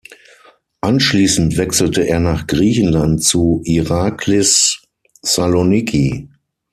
Anschließend wechselte er nach Griechenland zu Iraklis Saloniki.